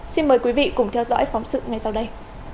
xin mời quý vị cùng theo dõi phóng sự ngay sau đây